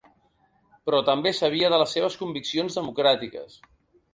Però també sabia de les seves conviccions democràtiques.